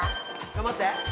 頑張って！